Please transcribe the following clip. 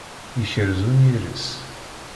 Yekrez unyir-is.